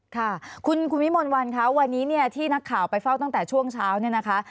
ค่ะคุณวิมลวันคะวันนี้เนี่ยที่นักข่าวไปเฝ้าตั้งแต่ช่วงเช้าเนี่ยนะคะ